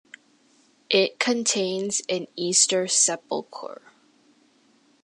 It contains an Easter Sepulchre.